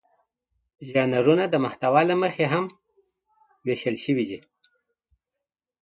ژانرونه د محتوا له مخې هم وېشل شوي دي.